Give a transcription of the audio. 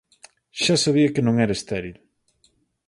Xa sabía que non era estéril.